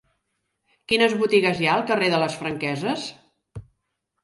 Quines botigues hi ha al carrer de les Franqueses?